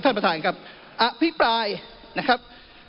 ท่านประธานครับอภิปรายนะครับ